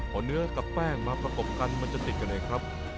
เอาเนื้อกับแป้งมาประกบกันมันจะติดกันไหนครับ